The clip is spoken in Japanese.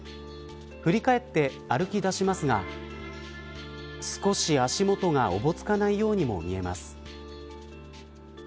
振り返って歩き出しますが少し足元がおぼつかないようにも見えます。